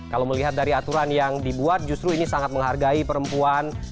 kalau melihat dari aturan yang dibuat justru ini sangat menghargai perempuan